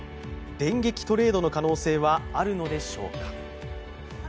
電撃トレードの可能性はあるのでしょうか。